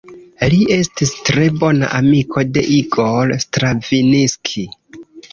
Li estis tre bona amiko de Igor Stravinski.